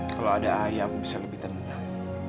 kalau ada ayah aku bisa lebih tenang